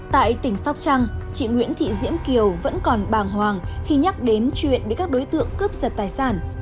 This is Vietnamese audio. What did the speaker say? tại tỉnh sóc trăng chị nguyễn thị diễm kiều vẫn còn bàng hoàng khi nhắc đến chuyện bị các đối tượng cướp giật tài sản